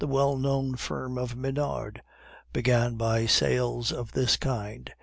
The well known firm of Minard began by sales of this kind.